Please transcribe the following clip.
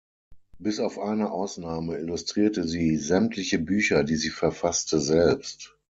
Bis auf eine Ausnahme illustrierte sie sämtliche Bücher, die sie verfasste, selbst.